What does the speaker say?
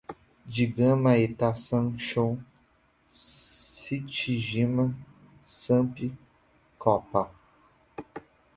digama, hetá, san, sho, stigma, sampi, qoppa